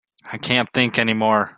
I can't think any more.